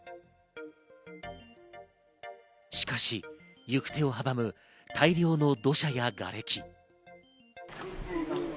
しかし行く手を阻む大量の土砂やがれき。